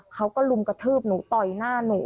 เขาก็ลุมกระทืบหนูต่อยหน้าหนู